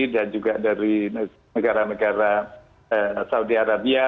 dan juga dari negara negara saudi arabia